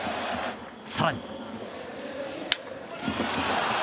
更に。